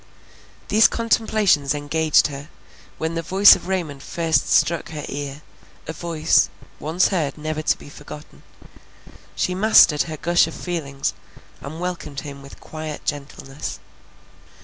These contemplations engaged her, when the voice of Raymond first struck her ear, a voice, once heard, never to be forgotten; she mastered her gush of feelings, and welcomed him with quiet gentleness.